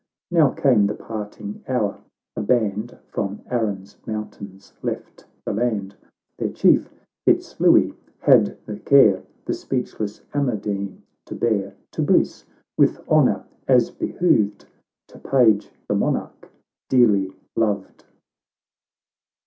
— Now came the parting hour — a band From Arran's mountains left the land ; Their chief, Fitz Louis,™ had the care The speechless Amadine to bear To Bruce, with honour, as behoved To page the monarch dearly loved.